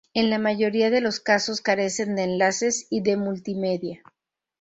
En la mayoría de los casos carecen de enlaces y de multimedia.